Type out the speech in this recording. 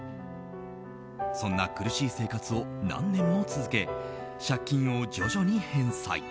そんな苦しい生活を何年も続け借金を徐々に返済。